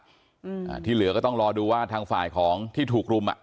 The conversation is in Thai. อ่าที่เหลือก็ต้องรอดูว่าทางฝ่ายของที่ถูกรุมอ่ะ